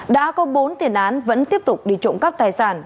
đã có bốn tiền án vẫn tiếp tục đi trộm cắp tài sản